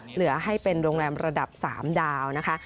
เหลือให้เป็นโรงแรมระดับ๓ดาวนะคะ